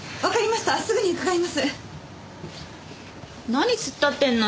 何突っ立てんの？